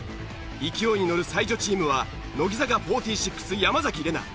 勢いにのる才女チームは乃木坂４６山崎怜奈。